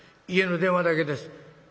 家の電話だけです。